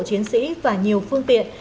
chiến sĩ và nhiều phương tiện